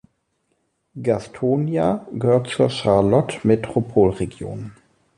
Gastonia gehört zur "Charlotte Metropolregion".